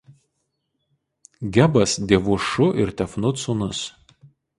Gebas dievų Šu ir Tefnut sūnus.